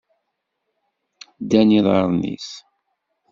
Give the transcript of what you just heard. Ddan iḍarren-is!